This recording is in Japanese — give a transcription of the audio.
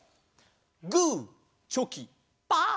グーチョキパー！